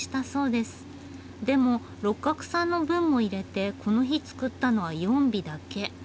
でも六角さんの分も入れてこの日作ったのは４尾だけ。